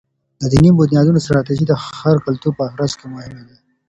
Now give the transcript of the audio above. د دینی بنیادونو ستراتیژۍ د هر کلتور په ترڅ کي مهمي دي.